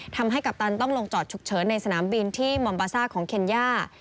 กัปตันต้องลงจอดฉุกเฉินในสนามบินที่มอมบาซ่าของเคนย่า